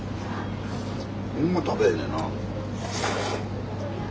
ほんま食べへんねんな。